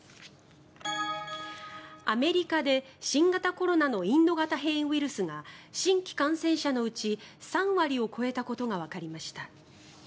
アメリカで新型コロナのインド型変異ウイルスが新規感染者のうち３割を超えたことがわかりました。